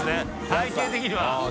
体形的には